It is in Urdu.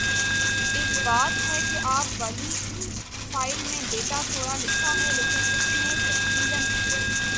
ایک بات ہے کہ آپ والی فائل میں ڈیٹا تھوڑا لکھا ہے لیکن اس میں تفصیلاً ہے